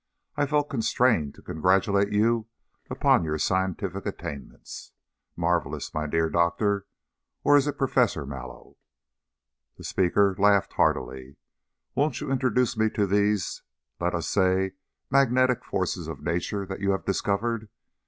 I felt constrained to congratulate you upon your scientific attainments. Marvelous, my dear Doctor! Or is it Professor Mallow?" The speaker laughed heartily. "Won't you introduce me to these let us say magnetic forces of nature that you have discovered?"